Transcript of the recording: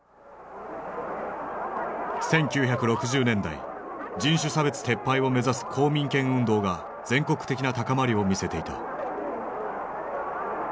１９６０年代人種差別撤廃を目指す公民権運動が全国的な高まりを見せていた。